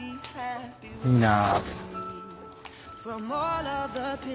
いいなあ。